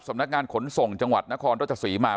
สำนักงานขนส่งจังหวัดนครราชศรีมา